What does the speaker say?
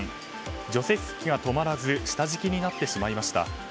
除雪機が止まらず下敷きになってしまいました。